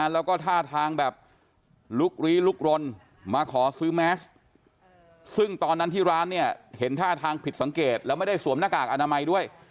แล้วก็ท่าทางแบบลุกลี้ลุกรนมาขอซื้อแมสซึ่งตอนนั้นที่ร้านเนี่ยเห็นท่าทางผิดสังเกตแล้วไม่ได้สวมหน้ากากอนามัยด้วย